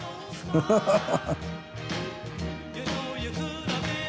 アハハハ。